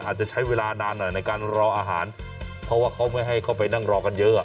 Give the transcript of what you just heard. อาจจะใช้เวลานานหน่อยในการรออาหารเพราะว่าเขาไม่ให้เข้าไปนั่งรอกันเยอะ